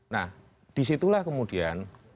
nah disitulah kemudian